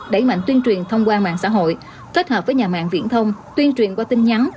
đẩy mạnh tuyên truyền thông qua mạng xã hội kết hợp với nhà mạng viễn thông tuyên truyền qua tin nhắn